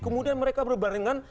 kemudian mereka berbarengan